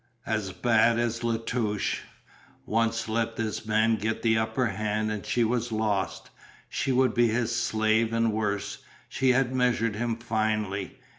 As bad as La Touche. Once let this man get the upper hand and she was lost. She would be his slave and worse. She had measured him finely.